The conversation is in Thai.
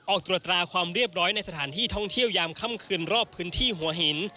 ออกตรวจตราความเรียบร้อยในสถานที่ท่องเที่ยวยามค่ำคืนรอบพื้นที่หัวหิน